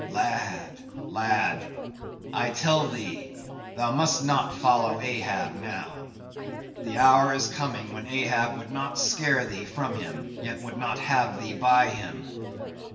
_) "Lad, lad, I tell thee thou must not follow Ahab now. The hour is coming when Ahab would not scare thee from him, yet would not have thee by him.